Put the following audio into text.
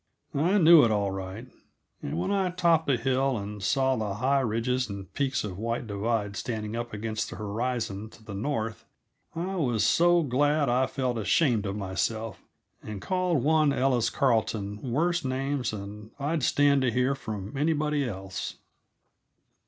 I knew it, all right. And when I topped a hill and saw the high ridges and peaks of White Divide stand up against the horizon to the north, I was so glad I felt ashamed of myself and called one Ellis Carleton worse names than I'd stand to hear from anybody else.